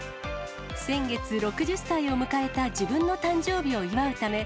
先月、６０歳を迎えた自分の誕生日を祝うため、